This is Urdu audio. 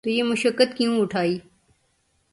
تو یہ مشقت کیوں اٹھائی؟